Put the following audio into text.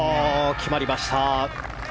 決まりました！